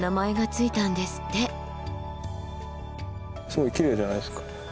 すごいきれいじゃないですか。